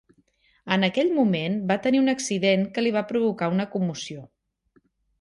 En aquell moment va tenir un accident que li va provocar una commoció.